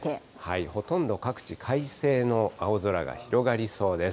ほとんど各地、快晴の青空が広がりそうです。